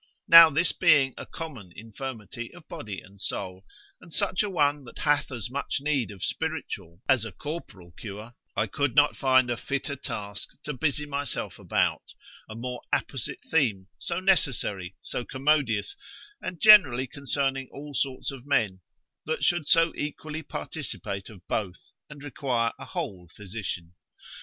Now this being a common infirmity of body and soul, and such a one that hath as much need of spiritual as a corporal cure, I could not find a fitter task to busy myself about, a more apposite theme, so necessary, so commodious, and generally concerning all sorts of men, that should so equally participate of both, and require a whole physician.